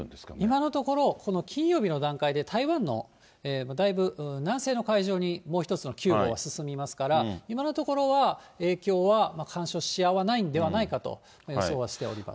今のところ、この金曜日の段階で台湾のだいぶ南西の海上に、もう１つの９号は進みますから、今のところは、影響は干渉し合わないのではないかと予想はしております。